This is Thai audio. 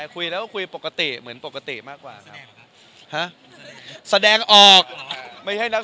คุยแล้วก็คุยปกติเหมือนปกติมากกว่าครับ